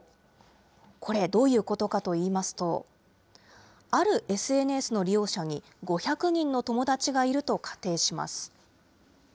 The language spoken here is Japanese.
これ、どういうことかといいますと、あるＳＮＳの利用者に、５００人の友達がいると仮定します。